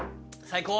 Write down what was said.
最高。